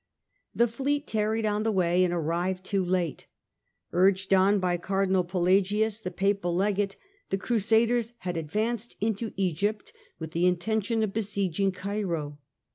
The fleet tarried on the way and arrived too late. Urged on by Cardinal Pelagius, the Papal Legate, the Crusaders had advanced into Egypt with the intention of besieging Cairo.